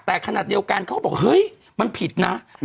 แต่ขนาดเดียวกันเขาก็บอกเฮ้ยมันผิดนะ